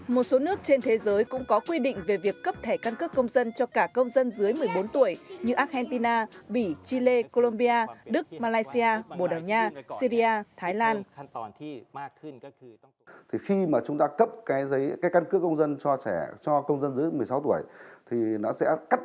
một số nước trên thế giới cũng có quy định về việc cấp thẻ căn cước công dân cho cả công dân dưới một mươi bốn tuổi như argentina bỉ chile colombia đức malaysia bồ đào nha syria thái lan